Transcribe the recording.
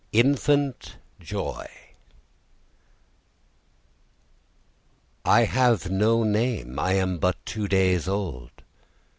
INFANT JOY 'I have no name; I am but two days old.